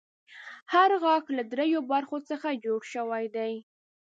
هر غاښ له دریو برخو څخه جوړ شوی دی.